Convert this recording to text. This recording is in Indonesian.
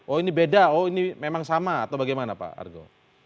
oh ini beda oh ini memang sama atau bagaimana pak argo